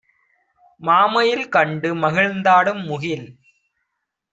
"மாமயில் கண்டு மகிழ்ந்தாடும் முகில்